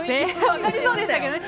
分かりそうでしたけどね。